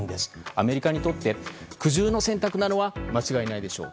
アメリカにとって苦渋の選択なのは間違いないでしょう。